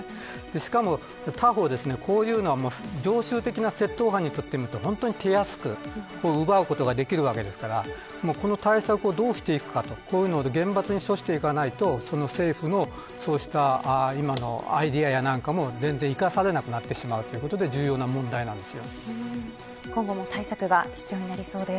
しかも、他方、こういうのは常習的な窃盗犯にとってはたやすく奪うことができるわけですから対策をどうしていくかこういうのを厳罰に処していかないと政府のそうしたアイデアやなんかも全然生かされなくなってしまうので重要な問題なんです。